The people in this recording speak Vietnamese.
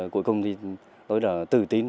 cuối cùng tôi đã tự tin